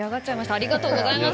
ありがとうございます。